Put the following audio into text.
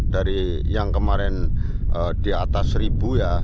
dari yang kemarin di atas rp satu ya